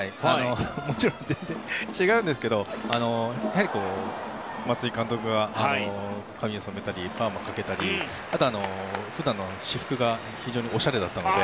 違うんですけど松井監督は髪を染めたりパーマをかけたりあとは普段の私服が非常におしゃれだったので。